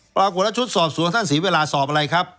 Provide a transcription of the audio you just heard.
ปรากฏแล้วชุดสอบสวนของท่านศรีวราสอบอะไรครับ